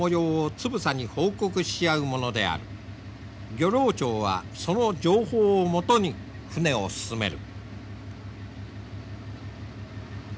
漁労長はその情報をもとに船を進める。